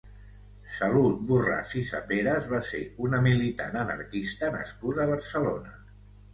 Salut Borràs i Saperas va ser una militant anarquista nascuda a Barcelona.